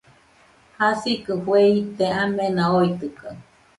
Jasikɨ fue ite amena oitɨkaɨ